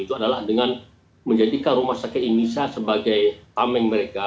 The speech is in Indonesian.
itu adalah dengan menjadikan rumah sakit indonesia sebagai tameng mereka